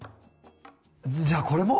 じゃあこれも？